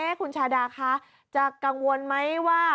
คุณชาดาคะจะกังวลไหมว่า